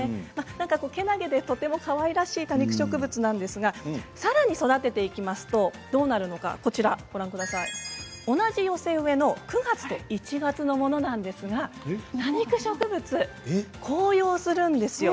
けなげで、とてもかわいらしい多肉植物なんですが、さらに育てていきますと、どうなるのか同じ寄せ植えの９月と１月のものですが多肉植物、紅葉するんですよ。